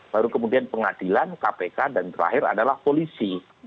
baru kemudian pengadilan kpk dan terakhir adalah polisi